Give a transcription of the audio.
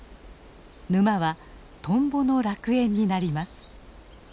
沼はトンボの楽園になります。